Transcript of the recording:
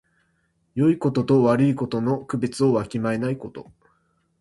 よいことと悪いことの区別をわきまえないこと。